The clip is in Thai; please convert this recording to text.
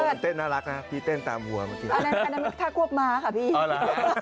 ผมเต้นน่ารักนะพี่เต้นตามหัวเมื่อกี้อันนั้นถ้าควบม้าค่ะพี่อ๋อเหรอ